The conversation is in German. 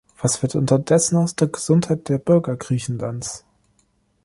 Was wird unterdessen aus der Gesundheit der Bürger Griechenlands?